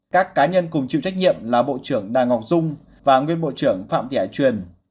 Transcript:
các cá nhân cùng chịu trách nhiệm là bộ trưởng đào ngọc dung và nguyên bộ trưởng phạm thị hải truyền